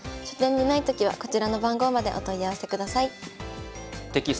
書店にないときはこちらの番号までお問い合わせください。